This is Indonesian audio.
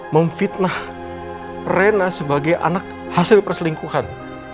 memfitnah rena sebagai anak hasil perselingkuhan